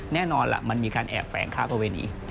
แน่นอนล่ะมันมีการแอบแฝงค้าประเวณี